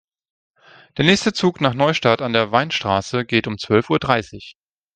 Der nächste Zug nach Neustadt an der Weinstraße geht um zwölf Uhr dreißig